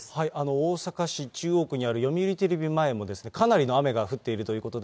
大阪市中央区にある読売テレビ前もですね、かなりの雨が降っているということで、